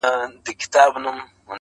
• نو د سپیو لارښووني ته محتاج سي -